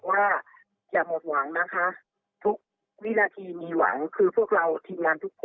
ทุกวินาทีมีหวังคือพวกเราทีมงานทุกคน